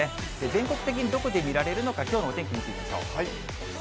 全国的にどこで見られるのか、きょうのお天気、見ていきましょう。